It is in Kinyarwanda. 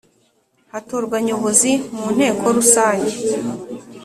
hatorwa Nyobozi mu Inteko Rusange